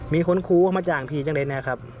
มีคนครูเข้ามาจ่างพี่จังเลยนะครับ